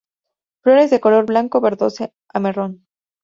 Flores de color blanco verdoso a marrón.